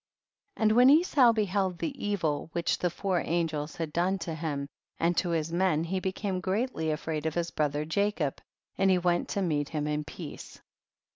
39. And when Esau beheld the evil* which the four angels had done to him and to his men, he became greatly afraid of his brother Jacob, and he went to meet him in peace.